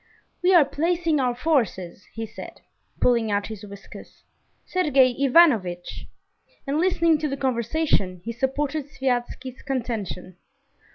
"We are placing our forces," he said, pulling out his whiskers, "Sergey Ivanovitch!" And listening to the conversation, he supported Sviazhsky's contention.